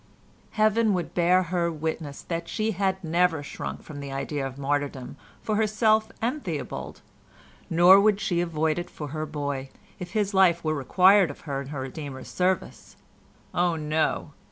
Heaven would bear her witness that she had never shrunk from the idea of martyrdom for herself and Theobald, nor would she avoid it for her boy, if his life was required of her in her Redeemer's service. Oh, no!